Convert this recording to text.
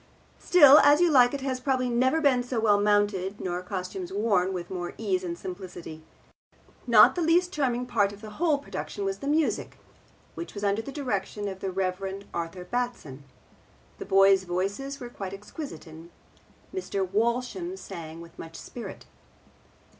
Still, As You Like It has probably never been so well mounted, nor costumes worn with more ease and simplicity. Not the least charming part of the whole production was the music, which was under the direction of the Rev. Arthur Batson. The boys' voices were quite exquisite, and Mr. Walsham sang with much spirit.